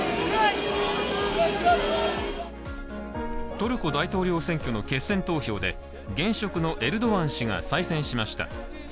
トルコ大統領選挙の決選投票で現職のエルドアン氏が再選しました。